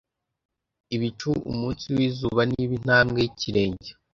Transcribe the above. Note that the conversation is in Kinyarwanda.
Ibicu umunsi wizuba Niba intambwe yikirenge